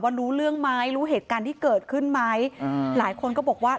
รู้เรื่องไหมรู้เหตุการณ์ที่เกิดขึ้นไหมอืมหลายคนก็บอกว่า